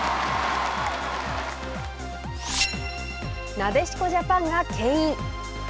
なでしこジャパンがけん引。